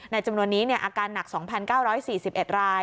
ในจำนวนนี้เนี่ยอาการหนัก๒๙๔๑ราย